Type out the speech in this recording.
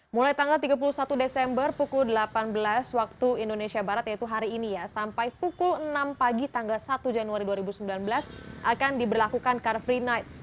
mulai tanggal tiga puluh satu desember pukul delapan belas waktu indonesia barat yaitu hari ini ya sampai pukul enam pagi tanggal satu januari dua ribu sembilan belas akan diberlakukan car free night